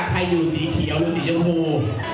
ให้อยู่สีเขียวหรือสีชมพู